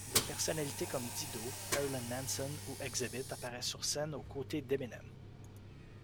Des personnalités comme Dido, Marilyn Manson ou Xzibit apparaissent sur scène aux côtés d'Eminem.